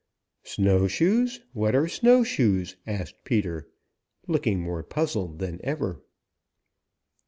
"Snowshoes! What are snow shoes?" asked Peter, looking more puzzled than ever.